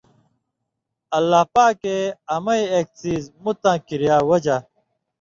اللہ پاکے امَیں ایک څیز مُتاں کِریا وجہۡ ،